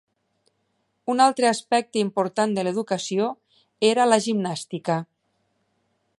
Un altre aspecte important de l’educació era la gimnàstica.